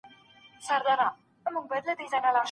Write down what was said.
ایا ډاکټره اوږده پاڼه ړنګوي؟